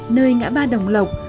nơi ngã ba đồng lộc